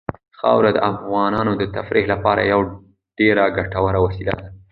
خاوره د افغانانو د تفریح لپاره یوه ډېره ګټوره وسیله ده.